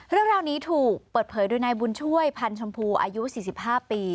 เรื่องราวนี้ถูกเปิดเผยโดยนายบุญช่วยพันธ์ชมพูอายุ๔๕ปี